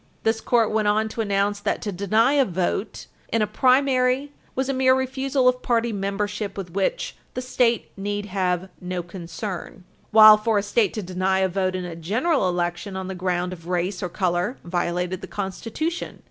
This Court went on to announce that to deny a vote in a primary was a mere refusal of party membership, with which "the state need have no concern," loc.cit. 295 U. S. 55, while for a state to deny a vote in a general election on the ground of race or color violated the Constitution.